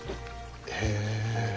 へえ。